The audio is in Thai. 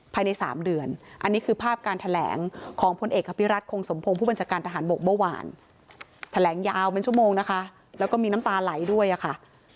เป็นชั่วโมงนะคะแล้วก็มีน้ำตาไหลด้วยค่ะ